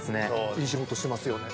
いい仕事してますよね。